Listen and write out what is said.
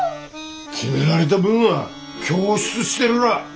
決められた分は供出してるら。